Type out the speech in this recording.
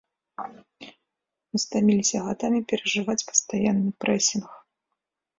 Мы стаміліся гадамі перажываць пастаянны прэсінг.